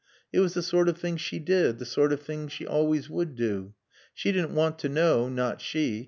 It was the sort of thing she did, the sort of thing she always would do. She didn't want to know (not she!)